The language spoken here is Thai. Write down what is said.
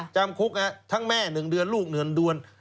จำคุกทั้งแม่๑เดือนลูก๑เดือน